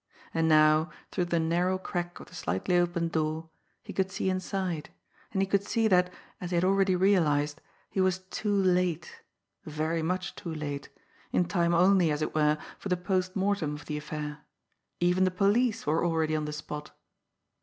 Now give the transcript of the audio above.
And now, through the narrow crack of the slightly opened door, he could see inside; and he could see that, as he had already realised, he was too late, very much too late, in time only, as it were, for the post mortem of the affair even the police were already on the spot!